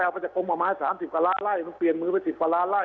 มันจะกลมป่าไม้๓๐กว่าล้านไล่มันเปลี่ยนมือไป๑๐กว่าล้านไล่